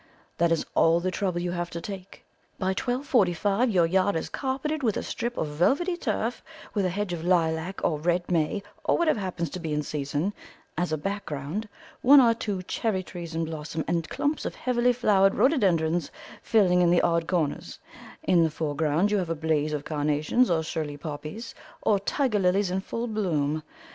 That is all the trouble you have to take. By twelve forty five your yard is carpeted with a strip of velvety turf, with a hedge of lilac or red may, or whatever happens to be in season, as a background, one or two cherry trees in blossom, and clumps of heavily flowered rhododendrons filling in the odd corners; in the foreground you have a blaze of carnations or Shirley poppies, or tiger lilies in full bloom.